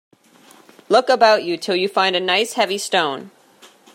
Look about you till you find a nice, heavy stone.